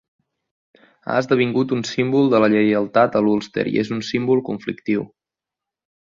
Ha esdevingut un símbol de la lleialtat a l'Ulster i és un símbol conflictiu.